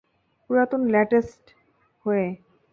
পুরাতন ল্যাস্টেট হয়ে।